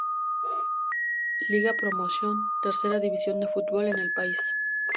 Liga Promotion, tercera división de fútbol en el país.